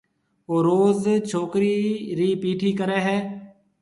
او روز ڇوڪرِي رَي پيِٺي ڪرَي ھيََََ